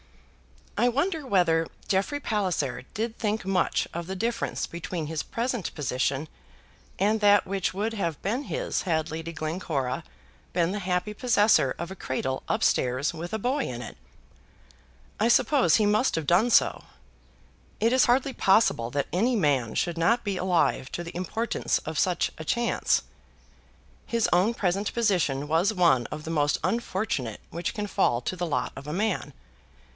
I wonder whether Jeffrey Palliser did think much of the difference between his present position and that which would have been his had Lady Glencora been the happy possessor of a cradle up stairs with a boy in it. I suppose he must have done so. It is hardly possible that any man should not be alive to the importance of such a chance. His own present position was one of the most unfortunate which can fall to the lot of a man.